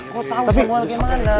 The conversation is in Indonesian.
kok tau samuel gimana